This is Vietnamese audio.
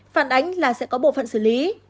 phản ánh là sẽ có bộ phận xử lý